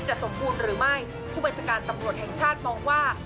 สมบูรณ์หรือไม่ผู้บัญชาการตำรวจแห่งชาติมองว่า